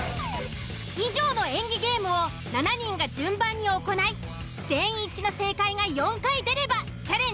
以上の演技ゲームを７人が順番に行い全員一致の正解が４回出ればチャレンジ成功。